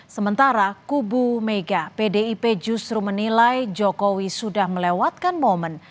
sementara kubu mega pdip justru menilai jokowi sudah melewatkan momen